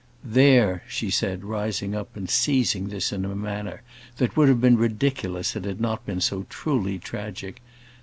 "There," she said, rising up, and seizing this in a manner that would have been ridiculous had it not been so truly tragic.